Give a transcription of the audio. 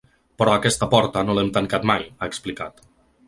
Però aquesta porta no l’hem tancat mai, ha explicat.